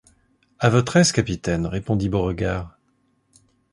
À votre aise, capitaine, répondit Beauregard.